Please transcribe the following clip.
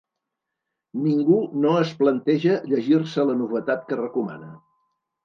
Ningú no es planteja llegir-se la novetat que recomana.